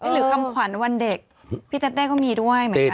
หรือคำขวัญวันเด็กพี่เต้ก็มีด้วยเหมือนกัน